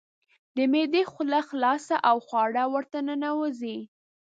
د معدې خوله خلاصه او خواړه ورته ننوزي.